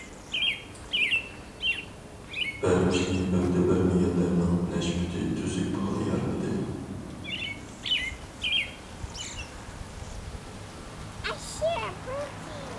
پەرۋىشنى ھۆددە بەرمىگەنلەرنىڭ نەشپۈتى تۈزۈك پۇلغا يارىمىدى.